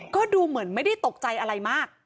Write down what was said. ก็ดูเหมือนไม่ได้ตกใจอะไรมาก